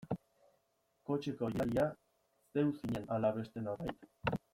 Kotxeko gidaria zeu zinen ala beste norbait?